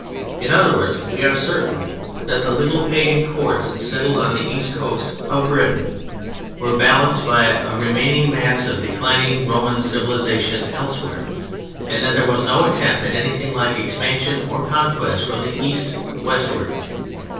In other words, we are certain that the little pagan courts settled on the east coast of Britain were balanced by a remaining mass of declining Roman civilization elsewhere, and that there was no attempt at anything like expansion or conquest from the east westward.